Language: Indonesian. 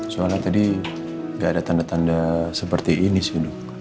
soalnya tadi nggak ada tanda tanda seperti ini sih dok